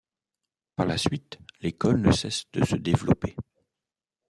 Par la suite, l'école ne cesse de se développer.